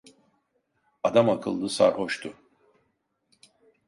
Adamakıllı sarhoştu.